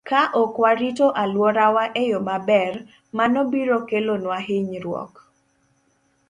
Ka ok warito alworawa e yo maber, mano biro kelonwa hinyruok.